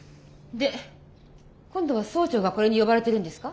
で今度は総長がこれに呼ばれてるんですか？